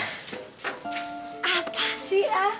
apa sih ah